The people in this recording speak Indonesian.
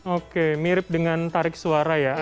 oke mirip dengan tarik suara ya